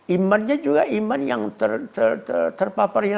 imannya juga iman yang terpaparnya